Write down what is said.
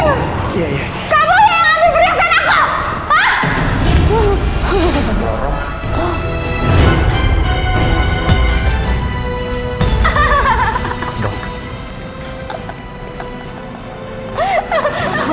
kamu yang ngambil perhiasan aku